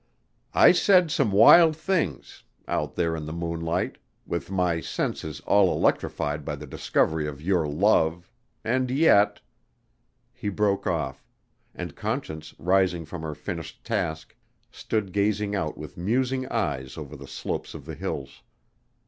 "I said some wild things out there in the moonlight with my senses all electrified by the discovery of your love and yet " He broke off, and Conscience, rising from her finished task, stood gazing out with musing eyes over the slopes of the hills.